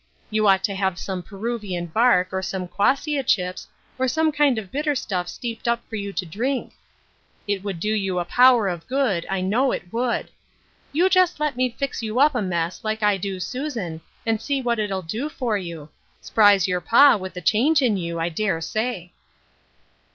You ought to have some Peruvian bark, or some quassia chips, or some kind of bitter stuff steeped up for you to drink. 62 Ruth Urshines Crosees. It would do you a power of good, I know it would. You jest let me fix you up a mess, like I do Susan, and see what it'U do for you. S'prise your pa with the change in you, I dare say."